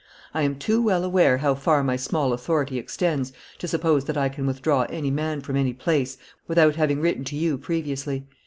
I am too well aware how far my small authority extends to suppose that I can withdraw any man from any place without having written to you previously.